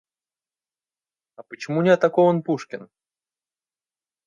А почему не атакован Пушкин?